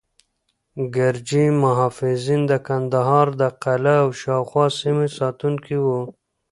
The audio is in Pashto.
ګرجي محافظین د کندهار د قلعه او شاوخوا سیمو ساتونکي وو.